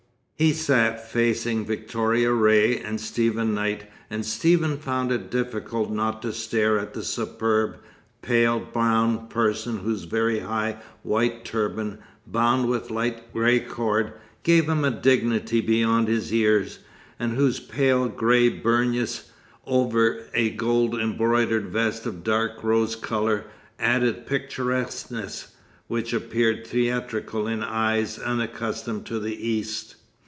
He sat facing Victoria Ray and Stephen Knight, and Stephen found it difficult not to stare at the superb, pale brown person whose very high white turban, bound with light grey cord, gave him a dignity beyond his years, and whose pale grey burnous, over a gold embroidered vest of dark rose colour, added picturesqueness which appeared theatrical in eyes unaccustomed to the East.